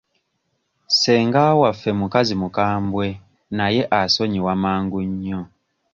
Ssenga waffe mukazi mukambwe naye asonyiwa mangu nnyo.